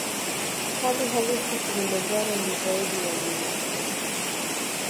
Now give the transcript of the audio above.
Hali halisi Kilimanjaro ni zaidi ya mlima tu